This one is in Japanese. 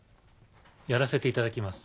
やらせていただきます。